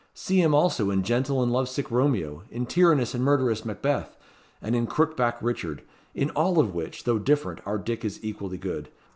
See him also in gentle and love sick Romeo, in tyrannous and murderous Macbeth, and in crookback Richard; in all of which, though different, our Dick is equally good.